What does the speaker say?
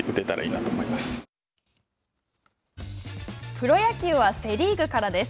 プロ野球はセ・リーグからです。